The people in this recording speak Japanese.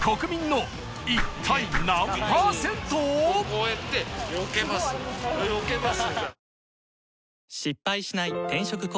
こうやってよけますよけます。